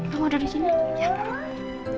kamu udah disini